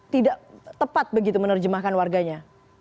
tidak tepat begitu menerjemahkan warganya